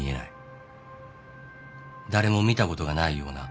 誰も見たことがないような。